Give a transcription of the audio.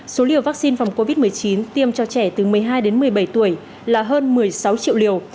số liều vaccine phòng covid một mươi chín tiêm cho trẻ từ một mươi hai đến một mươi bảy tuổi là hơn một mươi sáu triệu liều